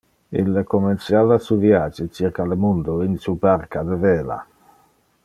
Ille comenciava su viage circa le mundo in su barca de vela.